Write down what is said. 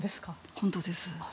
本当です。